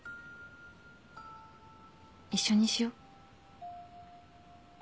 一緒にしよう。